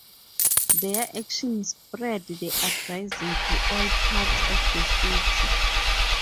Their action spread the uprising to all parts of the city.